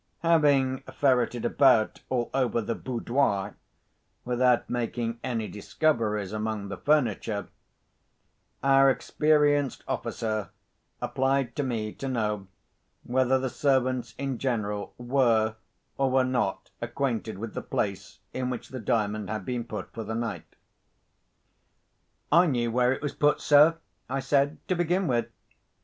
Having ferreted about all over the "boudoir," without making any discoveries among the furniture, our experienced officer applied to me to know, whether the servants in general were or were not acquainted with the place in which the Diamond had been put for the night. "I knew where it was put, sir," I said, "to begin with.